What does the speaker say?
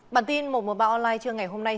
bản tin một trăm một mươi ba online trưa ngày hôm nay